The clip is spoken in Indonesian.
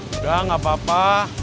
udah gak apa apa